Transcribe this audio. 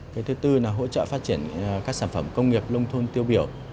cái thứ tư là hỗ trợ phát triển các sản phẩm công nghiệp nông thôn tiêu biểu